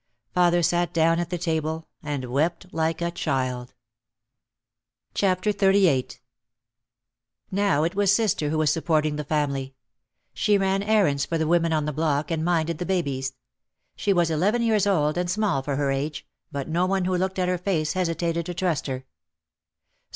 Father sat down at the table and wept like a child. 170 OUT OF THE SHADOW XXXVIII Now it was sister who was supporting the family. She ran errands for the women on the block and "minded" the babies. She was eleven years old and small for her age, but no one who looked at her face hesitated to trust her.